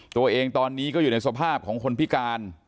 ตัวเองตอนนี้ก็อยู่ในสภาพของคนพิการ